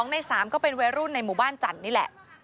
ใน๓ก็เป็นวัยรุ่นในหมู่บ้านจันทร์นี่แหละ